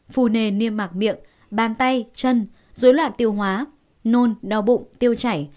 phù nề niêm mạc miệng bàn tay chân dối loạn tiêu hóa nôn đau bụng tiêu chảy